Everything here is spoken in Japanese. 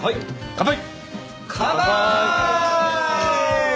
乾杯！